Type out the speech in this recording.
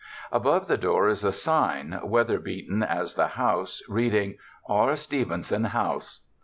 Above the door is a sign, weather beaten as the house, reading: "R. Stevenson House."